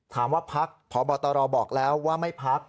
ถามว่าพักเพราะบอตรอบอกแล้วว่าไม่พัก